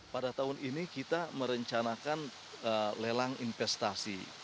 pada tahun ini kita merencanakan lelang investasi